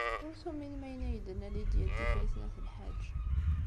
Ur tuminem ayen ay d-tenna Lidya n Tifrit n At Lḥaǧ.